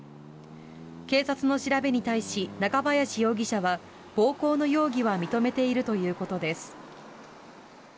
警察の調べに対し中林容疑者は暴行の容疑は認めているということです。